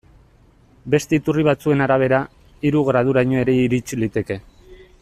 Beste iturri batzuen arabera, hiru graduraino ere irits liteke.